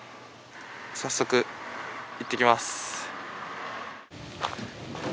早速いってきます。